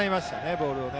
ボールをね。